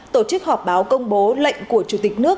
tổ chức họp báo công bố lệnh của chủ tịch nước